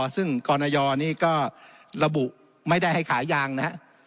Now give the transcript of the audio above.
ซึ่งกรณยนี่ก็ระบุไม่ได้ให้ขายยางนะครับ